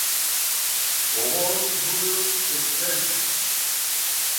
O gol número seiscentos.